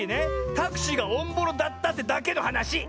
タクシーがおんぼろだったってだけのはなし！